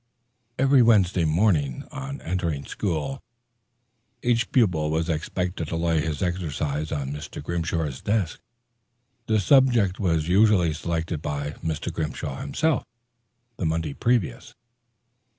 Every Wednesday morning, on entering school, each pupil was expected to lay his exercise on Mr. Grimshaw's desk; the subject was usually selected by Mr. Grimshaw himself, the Monday previous.